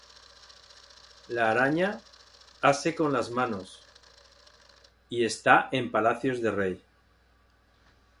La araña, ase con las manos, Y está en palacios de rey.